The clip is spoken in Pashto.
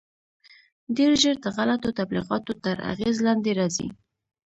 ډېر ژر د غلطو تبلیغاتو تر اغېز لاندې راځي.